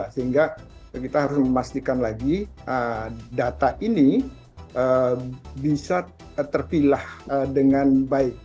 sehingga kita harus memastikan lagi data ini bisa terpilah dengan baik